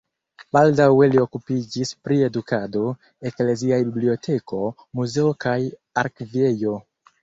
Baldaŭe li okupiĝis pri edukado, ekleziaj biblioteko, muzeo kaj arkivejo.